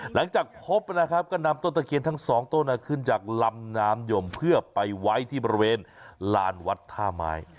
หลังจากพบนะครับก็นำต้นตะเคียนทั้งสองต้นขึ้นจากลำน้ำยมเพื่อไปไว้ที่บริเวณลานวัดท่าไม้